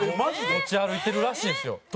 持ち歩いてるらしいんですよ。